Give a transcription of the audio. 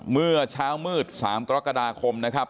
เมื่อเช้ามืด๓กรกฎาคมนะครับ